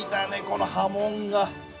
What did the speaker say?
この波紋が。